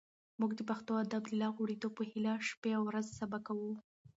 موږ د پښتو ادب د لا غوړېدو په هیله شپې او ورځې سبا کوو.